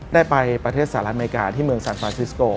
ได้ไปประเทศสหรัฐอเมริกาที่เมืองซานฟาซิสโก